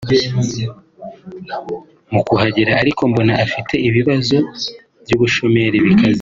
mu kuhagera ariko mbona bafite ibibazo by’ubushomeri bikaze